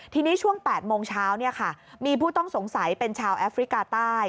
ทีนี้ช่วง๘โมงเช้ามีผู้ต้องสงสัยเป็นชาวแอฟริกาใต้